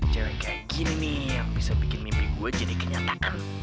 cara kayak gini nih yang bisa bikin mimpi gue jadi kenyataan